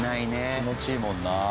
気持ちいいもんな。